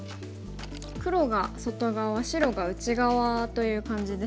黒が外側白が内側という感じでしょうか。